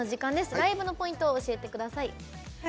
ライブポイントを教えてください。